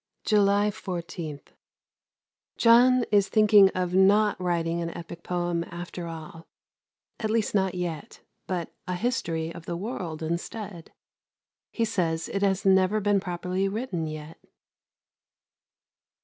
July 14. John is thinking of not writing an epick poem after all, at least not yet, but a history of the world instead. He says it has never been properly written yet.